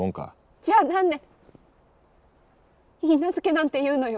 じゃあ何でいいなずけなんて言うのよ。